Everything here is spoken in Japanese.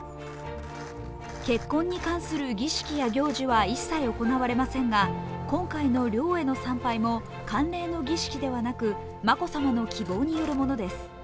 結婚に関する儀式や行事は一切、行われませんが今回の陵への参拝も慣例の儀式ではなく眞子さまの希望によるものです。